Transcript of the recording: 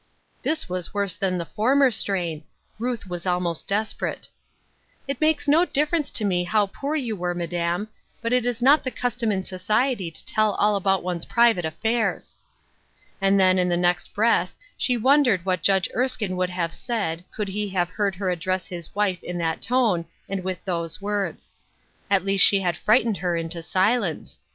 This was worse than the former strain. Ruth was almost desperate :" It makes no difference to me how poor you were. Madam, but it is not the custom in society to teU all about one's private affairs." And then, in the next breath, she wondered what Judge Erskine would have said, could he have heard her address his wife in that tone, and with those words. At least she had frightened her into silence.